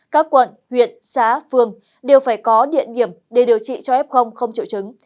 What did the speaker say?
các quận huyện xá phương đều phải có điện nghiệm để điều trị cho f không triệu chứng